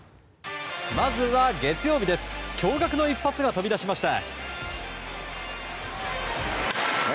まずは月曜日、驚愕の一発が飛び出しました。